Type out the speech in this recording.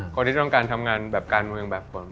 คนที่ต้องการทำงานแบบการเมืองแบบคน